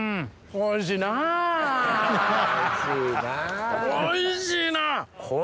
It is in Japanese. おいしいな。